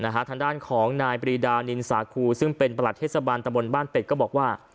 ทางด้านของนายปรีดานินสาคูซึ่งเป็นประหลัดเทศบาลตะบนบ้านเป็ดก็บอกว่า